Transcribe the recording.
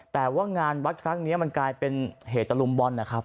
แต่ว่างานวัดครั้งนี้มันกลายเป็นเหตุตะลุมบอลนะครับ